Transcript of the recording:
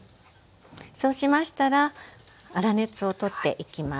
そうしましたら粗熱を取っていきます。